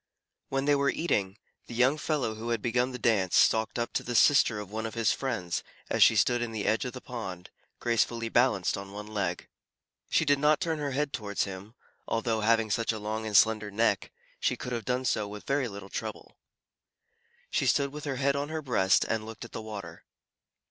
When they were eating, the young fellow who had begun the dance, stalked up to the sister of one of his friends, as she stood in the edge of the pond, gracefully balanced on one leg. She did not turn her head towards him, although, having such a long and slender neck, she could have done so with very little trouble. She stood with her head on her breast and looked at the water.